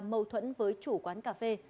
mâu thuẫn với chủ quán cà phê